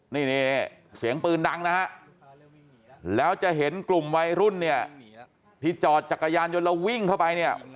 นี่เสียงปืนดังนะฮะแล้วจะเห็นกลุ่มวัยรุ่นเนี่ยที่จอดจักรยานยนต์แล้ววิ่งเข้าไปเนี่ย